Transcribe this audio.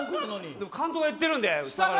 でも監督が言ってるんで。